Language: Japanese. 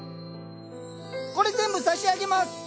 これ全部差し上げます！